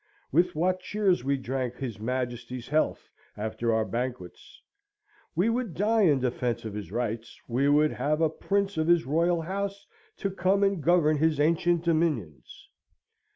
With what cheers we drank his Majesty's health after our banquets! We would die in defence of his rights; we would have a Prince of his Royal house to come and govern his ancient dominions!